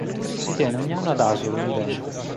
Si tiene ogni anno ad Asolo, in Veneto.